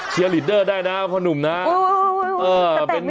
เห็นแล้วอยากเต้นตามเลย